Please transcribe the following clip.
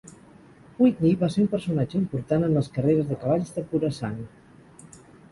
Whitney va ser un personatge important en les carreres de cavalls de pura sang.